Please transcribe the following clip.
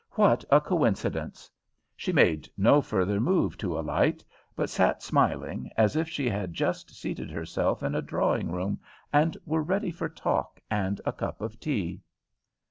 "What a coincidence!" She made no further move to alight, but sat smiling as if she had just seated herself in a drawing room and were ready for talk and a cup of tea.